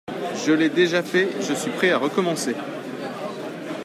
Je l'ai déjà fait, je suis prêt à recommencer.